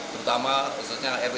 terutama khususnya rw satu